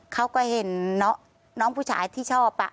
เขาก็เห็นน้องผู้ชายที่ชอบ